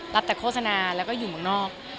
หมายจากโฆษณาและอยู่บ้างนอก